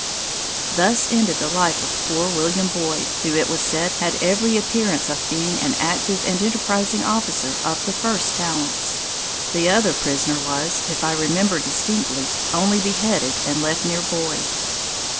Thus ended the life of poor William Boyd, who, it was said, had every appearance of being an active and enterprizing officer, of the first talents. The other prisoner was (if I remember distinctly) only beheaded and left near Boyd.